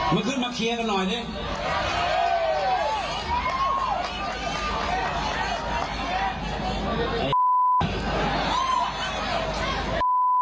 มาขึ้นมาเคลียร์กันหน่อยเนี่ย